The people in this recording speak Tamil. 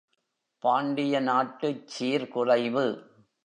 பாண்டிய நாட்டுச் சீர்குலைவு.